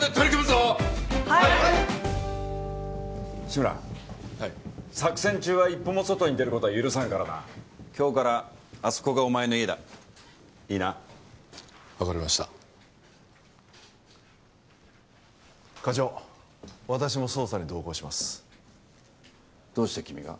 志村はい作戦中は一歩も外に出ることは許さんからな今日からあそこがお前の家だいいな？分かりました課長私も捜査に同行しますどうして君が？